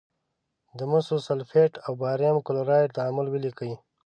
د مسو سلفیټ او باریم کلورایډ تعامل ولیکئ.